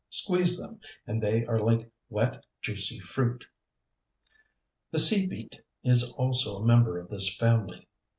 Squeeze them, and they are like wet, juicy fruit. The Sea Beet is also a member of this family.